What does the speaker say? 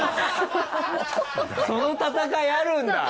その戦いあるんだ？